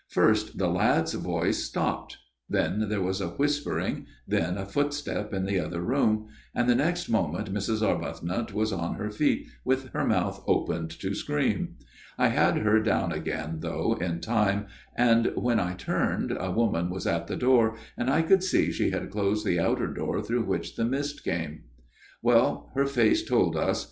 First the lad's voice stopped, then there was a whispering, then a footstep in the other room, and the next moment Mrs. Arbuthnot was on her feet, with her mouth opened to scream. I had her down again though in time, and, when I turned, a woman was at the door and I could see she had closed the outer door through which the mist came. " Well, her face told us.